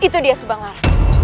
itu dia subangar